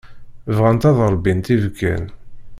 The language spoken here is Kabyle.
Bɣant ad ṛebbint ibekkan.